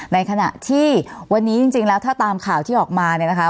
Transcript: ในขณะที่วันนี้จริงแล้วถ้าตามข่าวที่ออกมาเนี่ยนะคะ